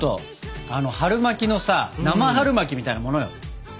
あの春巻きのさ生春巻きみたいなものよ。